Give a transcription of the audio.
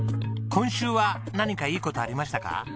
今週は何かいい事ありましたか？